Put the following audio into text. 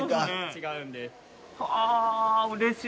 違うんです。